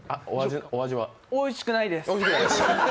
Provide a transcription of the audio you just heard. おいしくないです。